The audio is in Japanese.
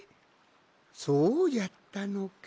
そうじゃったのか。